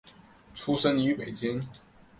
出生于北京。